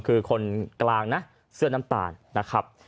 คือคนกลางนะเสื้อน้ำตาลนะครับ